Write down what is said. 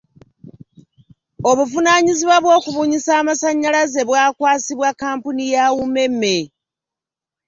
Obuvunaanyizibwa bw’okubunyisa amasannyalaze bwakwasibwa kkampuni ya UMEME.